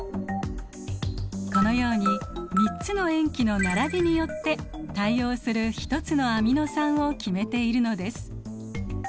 このように３つの塩基の並びによって対応する一つのアミノ酸を決めているのです。